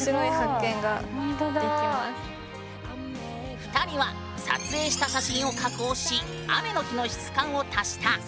２人は撮影した写真を加工し雨の日の質感を足した。